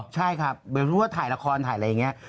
ใช่ครับถ้าถ่ายละครถ่ายอะไรอย่างนี้